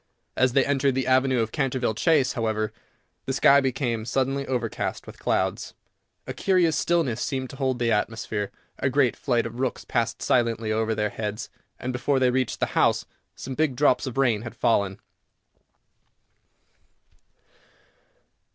As they entered the avenue of Canterville Chase, however, the sky became suddenly overcast with clouds, a curious stillness seemed to hold the atmosphere, a great flight of rooks passed silently over their heads, and, before they reached the house, some big drops of rain had fallen.